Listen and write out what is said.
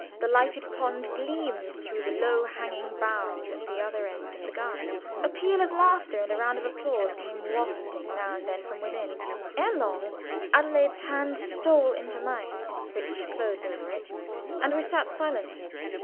The lighted pond gleamed through the low hanging boughs at the other end of the garden. A peal of laughter and a round of applause came wafted now and then from within. Ere long Adelaide's hand stole into mine, which closed over it, and we sat silent.